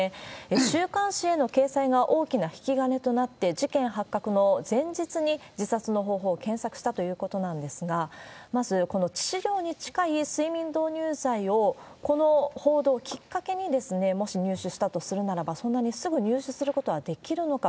週刊誌への掲載が大きな引き金となって、事件発覚の前日に自殺の方法を検索したということなんですが、まず、この致死量に近い睡眠導入剤を、この報道をきっかけに、もし入手したとするならば、そんなにすぐ入手することはできるのか。